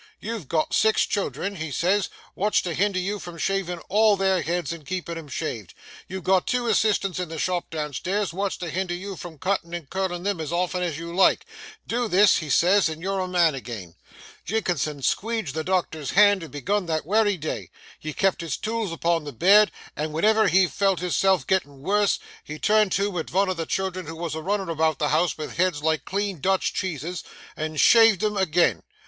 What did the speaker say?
you've got six children," he says, "wot's to hinder you from shavin' all their heads and keepin' 'em shaved? you've got two assistants in the shop down stairs, wot's to hinder you from cuttin' and curlin' them as often as you like? Do this," he says, "and you're a man agin." Jinkinson squeedged the doctor's hand and begun that wery day; he kept his tools upon the bed, and wenever he felt his self gettin' worse, he turned to at vun o' the children who wos a runnin' about the house vith heads like clean Dutch cheeses, and shaved him agin.